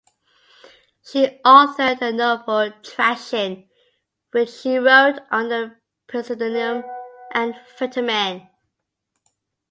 She authored the novel, "Trashing", which she wrote under the pseudonym Ann Fettamen.